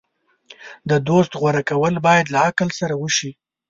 د دوست غوره کول باید له عقل سره وشي.